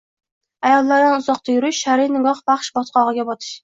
Ayollardan uzoq yurish – shar’iy nikoh – fahsh botqog‘iga botish.